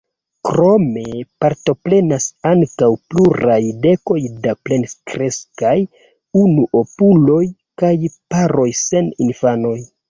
Krome partoprenas ankaŭ pluraj dekoj da plenkreskaj unuopuloj kaj paroj sen infanoj.